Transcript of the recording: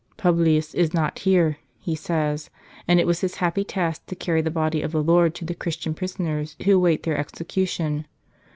"Publius is not here," he says, "and it was his happy task to carry the Body of the Lord to the Christian prisoners who await their execution.